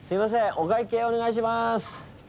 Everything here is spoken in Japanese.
お会計お願いします。